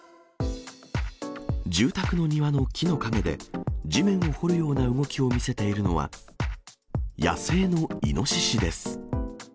住宅の庭の木の陰で、地面を掘るような動きを見せているのは、野生のイノシシです。